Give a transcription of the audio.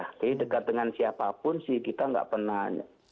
jadi dekat dengan siapapun sih kita gak pernah